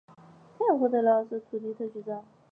他获得了斯特林岭以西的土地特许状。